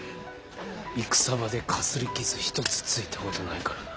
戦場でかすり傷一つついたことないからな。